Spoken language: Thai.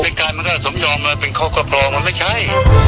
มันก็จะสมยองมาเป็นข้อควบครองมันไม่ใช่